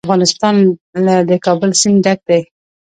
افغانستان له د کابل سیند ډک دی.